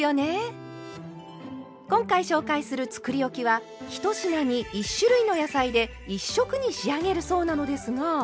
今回紹介するつくりおきは１品に１種類の野菜で１色に仕上げるそうなのですが。